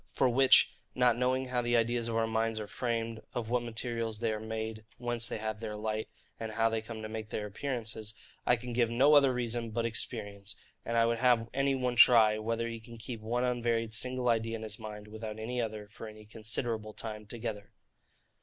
For which (not knowing how the ideas of our minds are framed, of what materials they are made, whence they have their light, and how they come to make their appearances) I can give no other reason but experience: and I would have any one try, whether he can keep one unvaried single idea in his mind, without any other, for any considerable time together.